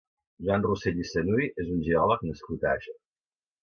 Joan Rosell i Sanuy és un geòleg nascut a Àger.